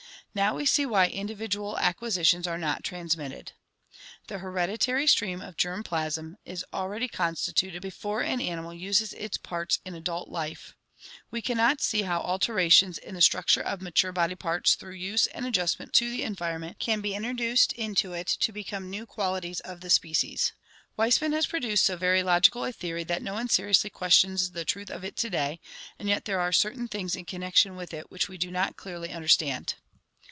Now we see why individual acquisitions are not transmitted. The hereditary stream of germ plasm is already constituted before an animal uses its parts in adult life; we can not see how alterations in the structure of mature body parts through use and adjustment to the environment can be introduced into it to become new qualities of the species." Weismann has produced so very logical a theory that no one seriously questions the truth of it to day, and yet there are certain things in connection with it which we do not clearly understand.